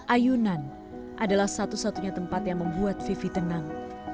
ayunan adalah satu satunya tempat yang membuat vivi tenang